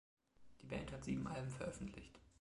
Die Band hat sieben Alben veröffentlicht.